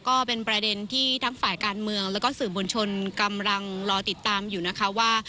ก็เป็นประเด็นที่ทั้งฝ่ายการเมืองแล้วก็สื่อมวลชนกำลังรอติดตามอยู่นะคะว่า